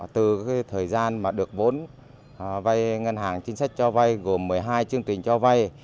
từ thời gian mà được vốn vay ngân hàng chính sách cho vay gồm một mươi hai chương trình cho vay